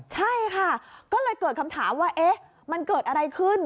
ใช่ค่ะก็เลยเกิดคำถามว่าเอ๊ะมันเกิดอะไรขึ้น